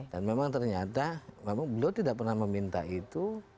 dan memang ternyata memang beliau tidak pernah meminta itu